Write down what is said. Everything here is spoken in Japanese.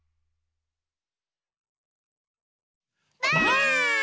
ばあっ！